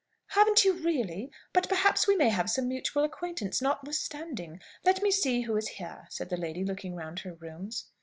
"Haven't you, really? But perhaps we may have some mutual acquaintances notwithstanding. Let me see who is here!" said the lady, looking round her rooms.